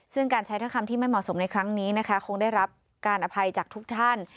ซึ่งการใช้ถ้อยคำที่ไม่เหมาะสมในครั้งนี้นะคะคงได้รับการอภัยจากทุกท่าน